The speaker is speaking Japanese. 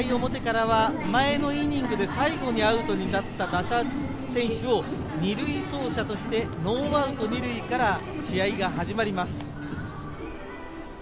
８回表からは前のイニングで最後にアウトになった打者選手を２塁走者としてノーアウト２塁から試合が始まります。